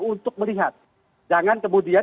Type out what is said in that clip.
untuk melihat jangan kemudian